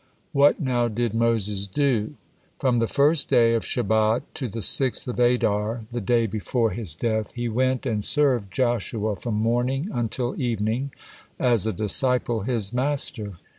What now did Moses do? From the first day of Shebat to the sixth of Adar, the day before his death, he went and served Joshua from morning until evening, as a disciple his mater.